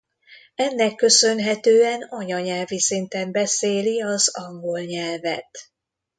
Ennek köszönhetően anyanyelvi szinten beszéli az angol nyelvet.